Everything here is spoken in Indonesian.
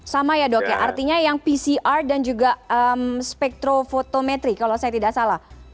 sama ya dok ya artinya yang pcr dan juga spektrofotometri kalau saya tidak salah